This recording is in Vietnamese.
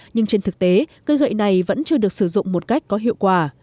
nhưng trên thực tế cơ gợi này vẫn chưa được sử dụng một cách có hiệu quả